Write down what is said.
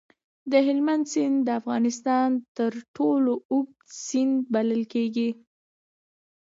د هلمند سیند د افغانستان تر ټولو اوږد سیند بلل کېږي.